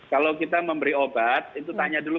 kalau kita memberi obat itu tanya dulu